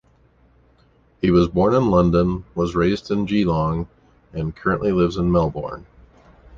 He was born in London, was raised in Geelong, and currently lives in Melbourne.